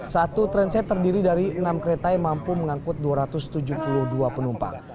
satu transit terdiri dari enam kereta yang mampu mengangkut dua ratus tujuh puluh dua penumpang